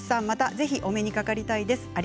またぜひお目にかかりたいです。